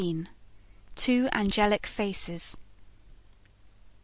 Two Angelic Faces.